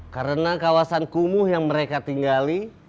karena kawasan kumuh yang mereka tinggali